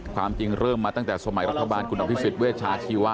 ความจริงเริ่มมาตั้งแต่สมัยรัฐบาลคุณอภิษฎเวชาชีวะ